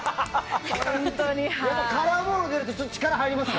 でもカラーボールが出ると力、入りますか。